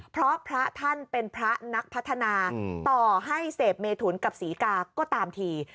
เพราะพระท่านเป็นพระนักพัฒนาต่อให้เสพเมถุนกับศรีกาก็ตามที